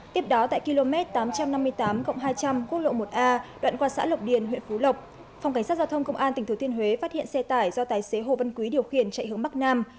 tiếp đó tại km tám trăm năm mươi tám hai trăm linh quốc lộ một a đoạn qua xã lộc điền huyện phú lộc phòng cảnh sát giao thông công an tỉnh thừa thiên huế phát hiện xe tải do tài xế hồ văn quý điều khiển chạy hướng bắc nam